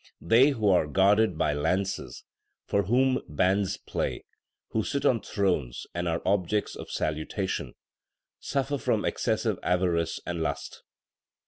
They who are guarded by lances, for whom bands play, who sit on thrones, and are objects of salutation, Suffer from excessive avarice and lust.